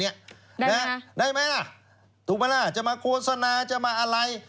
ได้ไหมล่ะถูกไหมล่ะจะมาโฆษณาจะมาอะไร